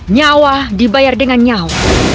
nyawa dibayar dengan nyawa